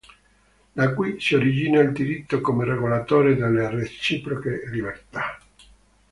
Da qui si origina il diritto come regolatore delle reciproche libertà.